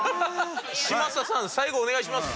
嶋佐さん最後お願いします。